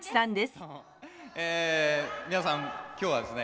え皆さん今日はですね